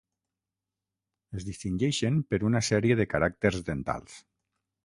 Es distingeixen per una sèrie de caràcters dentals.